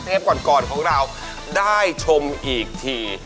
ก่อนของเราได้ชมอีกที